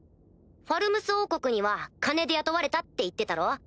ファルムス王国には金で雇われたって言ってたろ？